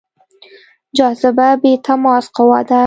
جاذبه بې تماس قوه ده.